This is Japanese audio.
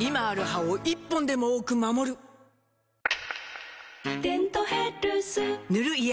今ある歯を１本でも多く守る「デントヘルス」塗る医薬品も